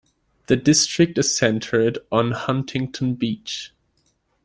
The district is centered on Huntington Beach.